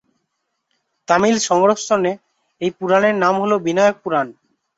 তামিল সংস্করণে এই পুরাণের নাম হল বিনায়ক পুরাণ।